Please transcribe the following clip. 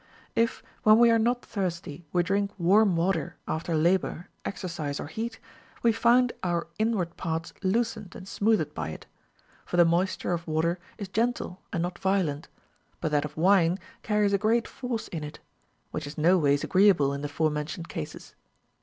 If, when we are not thirsty, we drink warm water after labor, exercise, or heat, yve find our inward parts loosened and smoothed by it ; for the moisture of water is gentle and not violent, but that of wine carries a great force in it, which is no ways agree able in the fore mentioned cases.